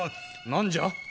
何じゃ？